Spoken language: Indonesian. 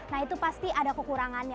nah itu pasti ada kekurangannya